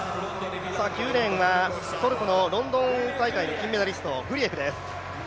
９レーンはトルコのロンドン大会の金メダリスト、グリエフです